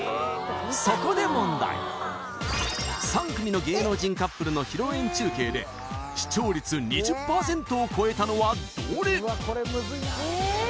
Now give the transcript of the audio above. そこで問題３組の芸能人カップルの披露宴中継で視聴率２０％を超えたのはどれ？